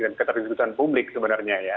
dan keterdiskusuan publik sebenarnya ya